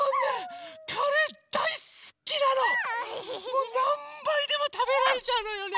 もうなんばいでもたべられちゃうのよね。